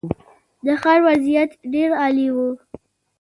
د ښار وضعیت ډېر عالي و.